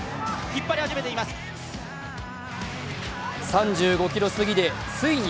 ３５ｋｍ過ぎで、ついに